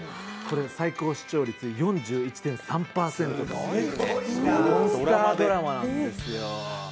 最高視聴率４１．３％、モンスタードラマなんですよ。